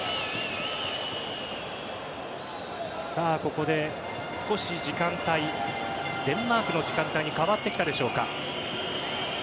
ここで、少しデンマークの時間帯に変わってきたでしょうか。